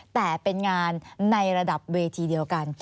แต่เป็นงานในระดับเวทีเดียวกัน